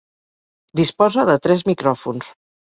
Disposa de tres micròfons.